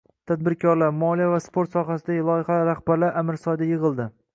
Tadbirkorlar, moliya va sport sohasidagi loyihalar rahbarlari "Amirsoy"da yig‘ildi